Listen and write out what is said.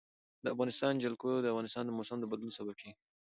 د افغانستان جلکو د افغانستان د موسم د بدلون سبب کېږي.